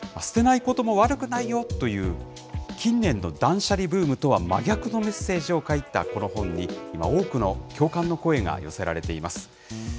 捨てないことも悪くないよという、近年の断捨離ブームとは真逆のメッセージを書いたこの本に、今、多くの共感の声が寄せられています。